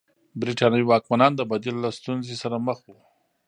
برېټانوي واکمنان د بدیل له ستونزې سره مخ وو.